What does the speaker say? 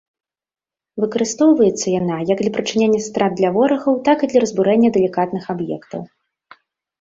Выкарыстоўваецца яна як для прычынення страт для ворагаў, так і для разбурэння далікатных аб'ектаў.